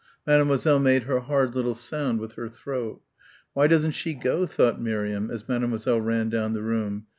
Mademoiselle made her hard little sound with her throat. "Why doesn't she go?" thought Miriam as Mademoiselle ran down the room.